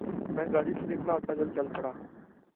میں گاڑی سے نکلا اور پیدل چل پڑا۔